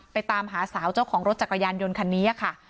ตามหาสาวเจ้าของรถจักรยานยนต์คันนี้ค่ะ